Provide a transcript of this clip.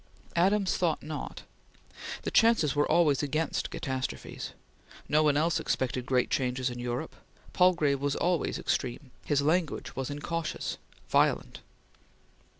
Adams thought not. The chances were always against catastrophes. No one else expected great changes in Europe. Palgrave was always extreme; his language was incautious violent!